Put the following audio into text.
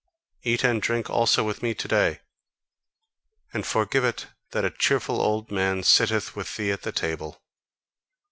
Eat and drink also with me to day, and forgive it that a cheerful old man sitteth with thee at table!"